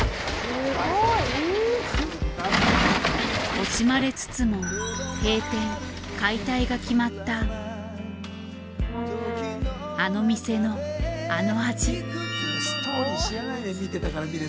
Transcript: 惜しまれつつも閉店・解体が決まったあの店のあの味。